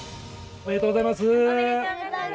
おめでとうございます。